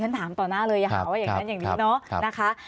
ถามต่อหน้าเลยอย่าหาว่าอย่างนั้นอย่างนี้เนาะนะคะ